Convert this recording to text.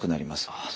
ああ